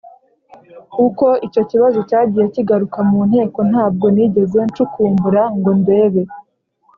uko icyo kibazo cyagiye kigaruka mu nteko ntabwo nigeze ncukumbura ngo ndebe